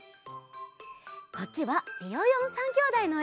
こっちはビヨヨン３きょうだいのえ。